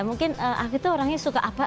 mungkin aku tuh orangnya suka apa